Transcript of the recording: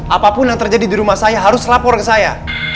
apapun yang terjadi di rumah saya harus lapor ke saya